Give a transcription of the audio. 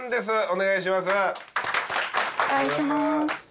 お願いします。